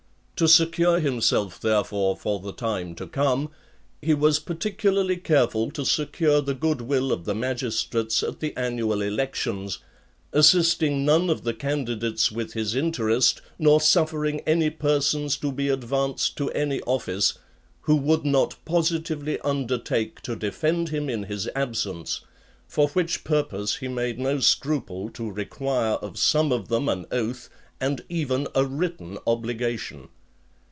To secure himself, therefore, for the time to come, he was particularly careful to secure the good will of the magistrates at the annual elections, assisting none of the candidates with his interest, nor suffering any persons to be advanced to any office, who would not positively undertake to defend him in his absence for which purpose he made no scruple to require of some of them an oath, and even a written obligation.